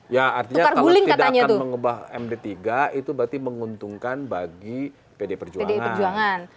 ya artinya kalau tidak akan mengubah md tiga itu berarti menguntungkan bagi pd perjuangan